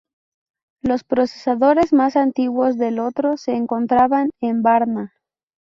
Los procesadores más antiguos del oro se encontraban en Varna.